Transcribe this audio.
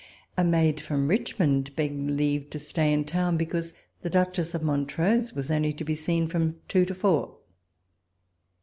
A maid from Richmond begged leave to stay in town because the Duchess of Montrose was only to be seen from two to four.